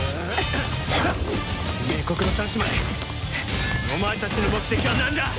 冥黒の三姉妹お前たちの目的はなんだ？